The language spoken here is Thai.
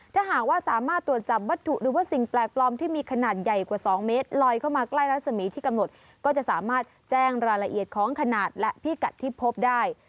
ทั้งหมดก็จะสามารถแจ้งรายละเอียดของขนาดและพิกัดที่พบได้